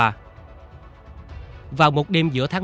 tổ trinh sát vẫn được giao phụ trách